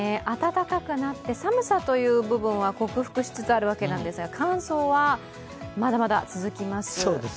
暖かくなって寒さという部分は克服しつつあるわけなんですが乾燥はまだまだ続きます。